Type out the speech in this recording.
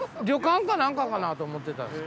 旅館か何かかなと思ってた。